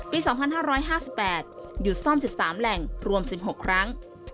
ปี๒๕๕๘หยุดซ่อม๑๓แหล่งรวม๑๖ครั้ง